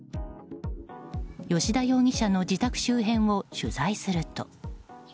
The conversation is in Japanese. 吉田容疑者の自宅周辺を取材すると。